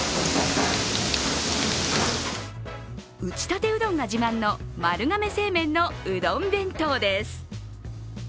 打ち立てうどんが自慢の丸亀製麺のうどん弁当です。